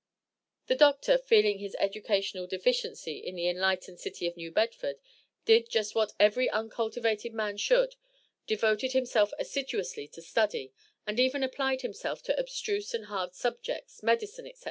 The Doctor, feeling his educational deficiency in the enlightened city of New Bedford, did just what every uncultivated man should, devoted himself assiduously to study, and even applied himself to abstruse and hard subjects, medicine, etc.